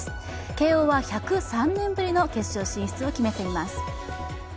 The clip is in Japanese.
慶応は１０３年ぶりの決勝進出を決めています。